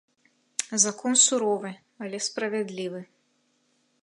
Закон суровы, але справядлівы.